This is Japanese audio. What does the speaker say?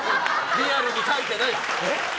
リアルに書いてない！